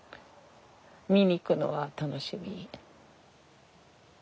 見に行くのが楽しみ。